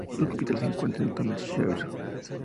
Su capital se encuentra en Tomelloso.